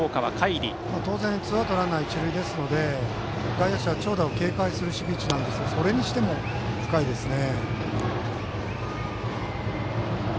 当然ツーアウトランナー、一塁ですので外野手は長打を警戒する守備位置なんですがそれにしても深いですね。